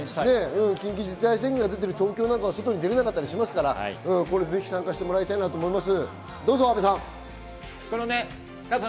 緊急事態宣言が出ている東京は外に出られなかったりしますから、参加してもらいたいと思います。